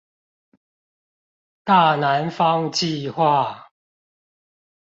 大南方計畫